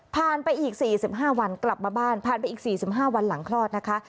ไปอีก๔๕วันกลับมาบ้านผ่านไปอีก๔๕วันหลังคลอดนะคะ